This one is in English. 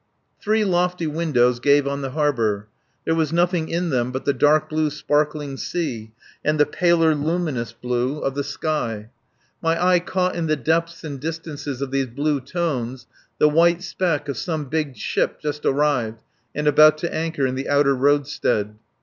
Three lofty windows gave on the harbour. There was nothing in them but the dark blue sparkling sea and the paler luminous blue of the sky. My eye caught in the depths and distances of these blue tones the white speck of some big ship just arrived and about to anchor in the outer roadstead.